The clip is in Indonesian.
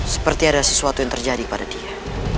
seperti ada sesuatu yang terjadi pada dia